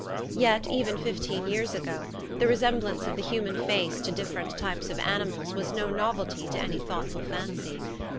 Yet, even fifteen years ago, the resemblance of the human face to different types of animals was no novelty to any thoughtful fancy.